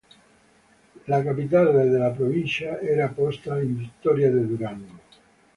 La capitale della provincia era posta in Victoria de Durango